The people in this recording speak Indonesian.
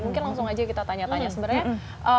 mungkin langsung aja kita tanya tanya sebenarnya